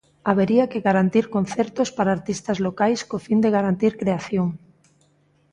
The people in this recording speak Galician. Habería que garantir concertos para artistas locais co fin de garantir creación.